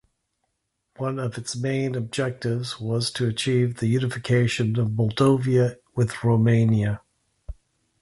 One of its main objectives was to achieve the unification of Moldova with Romania.